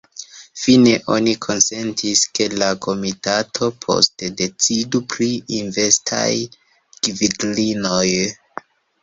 Fine oni konsentis, ke la komitato poste decidu pri investaj gvidlinioj.